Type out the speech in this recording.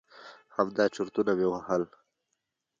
همدا چرتونه مې وهل.